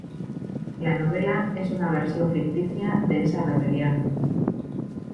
La novela es una versión ficticia de esa rebelión.